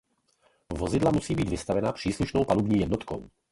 Vozidla musejí být vybavena příslušnou palubní jednotkou.